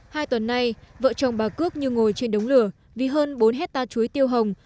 hai tuần nay vợ chồng bà cước như ngồi trên đống lửa vì hơn bốn hectare chuối tiêu hồng